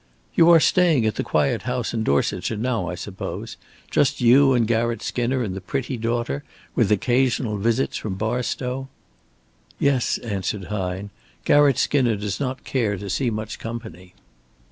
"You are staying at the quiet house in Dorsetshire now, I suppose. Just you and Garratt Skinner and the pretty daughter, with occasional visits from Barstow?" "Yes," answered Hine. "Garratt Skinner does not care to see much company."